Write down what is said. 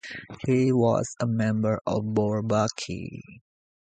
He was a member of Bourbaki.